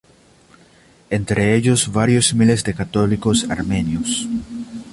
Entre ellos varios miles de católicos armenios.